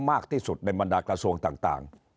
มากที่สุดในบรรดากระทรวงต่าง